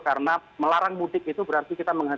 karena melarang mudik itu berarti tidak bisa diperlukan